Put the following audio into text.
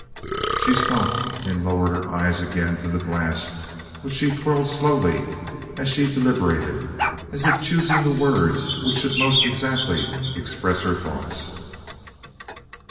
She stopped and lowered her eyes again to the glass which she twirled slowly as she deliberated, as if choosing the words which should most exactly express her thoughts.